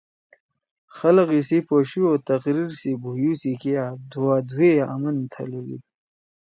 خلگ ایِسی پشُو او تقریر سی بُھویُو سی کیا دُھوا دُھو ئے آمن تھلُودُود